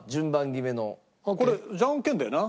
これじゃんけんだよな？